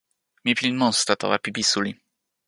mi pilin monsuta tawa pipi suli.